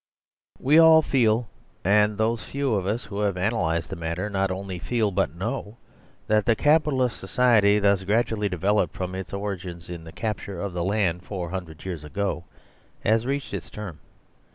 Weall feel and thosefew of us who have analysed the matter not only feel but know that the Capitalist society thus gradually developed from its origins in the capture of the land four hundred years ago has reached its term.